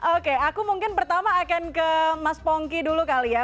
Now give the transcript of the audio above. oke aku mungkin pertama akan ke mas pongki dulu kali ya